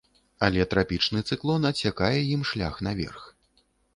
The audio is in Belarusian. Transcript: Але трапічны цыклон адсякае ім шлях наверх.